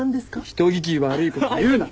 人聞き悪いこと言うな！